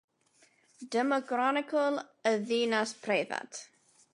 Dyma gronicl y ddinas breifat.